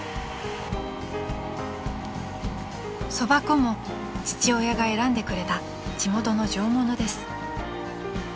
［そば粉も父親が選んでくれた地元の上物です］